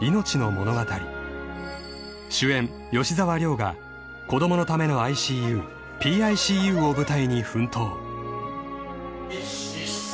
［主演吉沢亮が子供のためのＩＣＵＰＩＣＵを舞台に奮闘］